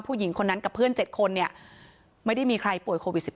ผู้หญิงคนนั้นกับเพื่อน๗คนเนี่ยไม่ได้มีใครป่วยโควิด๑๙